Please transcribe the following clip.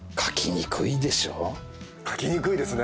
書きにくいですね。